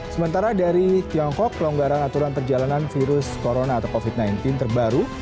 sementara dari tiongkok pelonggaran aturan perjalanan virus corona atau covid sembilan belas terbaru